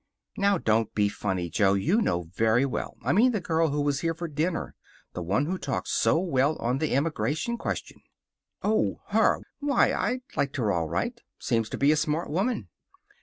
"Now, don't be funny, Jo. You know very well I mean the girl who was here for dinner. The one who talked so well on the emigration question." "Oh, her! Why, I liked her all right. Seems to be a smart woman."